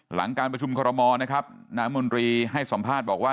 หลังการประชุมคอรมอลนะครับน้ำมนตรีให้สัมภาษณ์บอกว่า